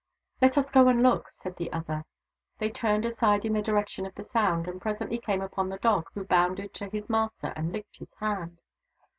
" Let us go and look," said the other. They turned aside in the direction of the sound, and presently came upon the dog, who bounded to his master and licked his hand.